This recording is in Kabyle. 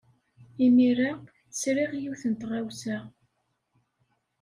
Imir-a, sriɣ yiwet n tɣawsa.